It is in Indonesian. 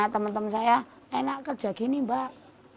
temen temen saya enak kerja gini mbak